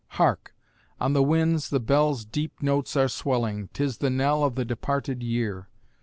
Hark! on the winds, The bells' deep notes are swelling. 'Tis the knell Of the departed year.